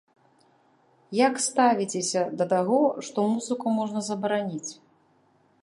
Як ставіцеся да таго, што музыку можна забараніць?